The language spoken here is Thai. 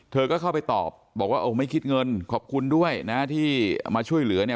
เธอก็เข้าไปตอบบอกว่าโอ้ไม่คิดเงินขอบคุณด้วยนะที่มาช่วยเหลือเนี่ย